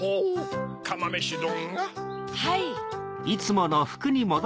はい。